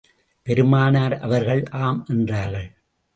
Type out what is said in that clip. பெருமானார் அவர்கள் ஆம் என்றார்கள்.